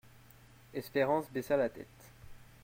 Espérance baissa la tête.